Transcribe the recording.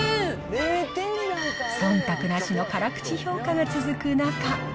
そんたくなしの辛口評価が続く中。